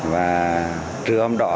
và trưa hôm đó